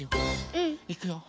うん。いくよ。